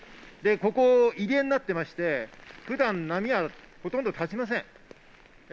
ここ、入江になっていまして、普段波がほとんど立ちません。